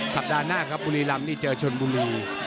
สัปดาห์หน้าครับบุรีรำนี่เจอชนบุรี